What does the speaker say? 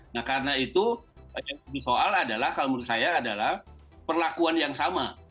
nah karena itu yang disoal adalah kalau menurut saya adalah perlakuan yang sama